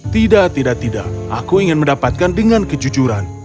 tidak tidak tidak aku ingin mendapatkan dengan kejujuran